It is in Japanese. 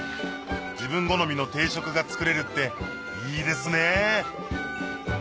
自分好みの定食が作れるっていいですね